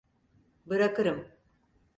Bırakırım.